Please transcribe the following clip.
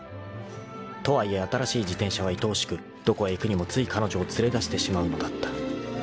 ［とはいえ新しい自転車はいとおしくどこへ行くにもつい彼女を連れ出してしまうのだった］